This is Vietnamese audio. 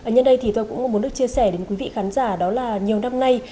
nhân đây thì tôi cũng muốn được chia sẻ đến quý vị khán giả đó là nhiều năm nay